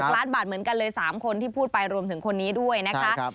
ล้านบาทเหมือนกันเลย๓คนที่พูดไปรวมถึงคนนี้ด้วยนะคะ